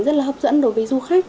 rất là hấp dẫn đối với du khách